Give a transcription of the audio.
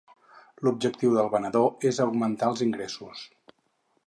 L'objectiu del venedor és augmentar els ingressos.